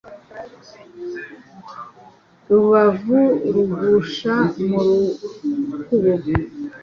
Rukabu rugusha mu rukubo,